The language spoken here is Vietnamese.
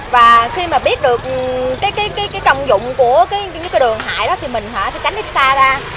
và khi mà biết được cái công dụng của những cái đường hại đó thì mình sẽ tránh ít xa ra